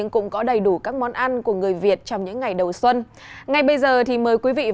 nhớ ơn ông bà trong những ngày đầu năm mới